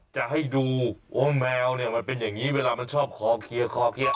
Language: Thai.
จะให้ดูว่าแมวเนี่ยมันเป็นอย่างนี้เวลามันชอบคอเคลียร์คอเคลียร์